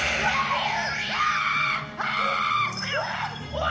おい！